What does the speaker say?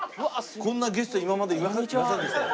こんなゲスト今までいませんでしたよ。